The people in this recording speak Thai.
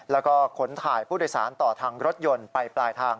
แล้วก็ขนถ่ายผู้โดยสารต่อทางรถยนต์ไปปลายทาง